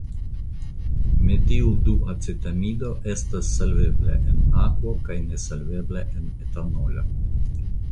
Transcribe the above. Metilduacetamido estas solvebla en akvo kaj nesolvebla en etanolo.